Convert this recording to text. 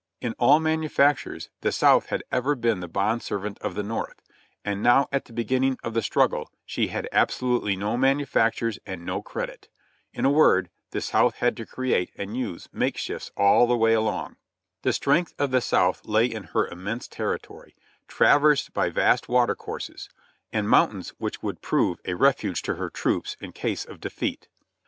In all manu factures the South had ever been the bond servant of the North, and now at the beginning of the struggle she had absolutely no manufactures and no credit. In a word, the South had to create and use make shifts all the way along. The strength of the South lay in her immense territory, trav ersed by vast watercourses; and mountains which would prove a refuge to her troops in case of defeat.